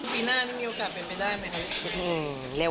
ปีหน้านี่มีโอกาสเปลี่ยนไปได้ไหมนะเนี่ย